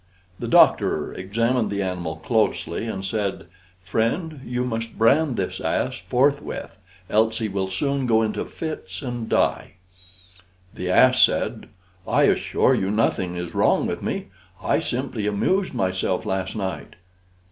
The doctor examined the animal closely, and said, "Friend, you must brand this ass forthwith, else he will soon go into fits and die." The ass said, "I assure you nothing is wrong with me; I simply amused myself last night."